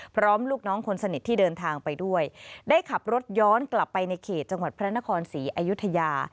ลูกน้องคนสนิทที่เดินทางไปด้วยได้ขับรถย้อนกลับไปในเขตจังหวัดพระนครศรีอยุธยา